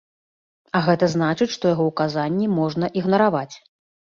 А гэта значыць, што яго ўказанні можна ігнараваць.